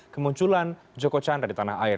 kemunculan joko chandra di tanah air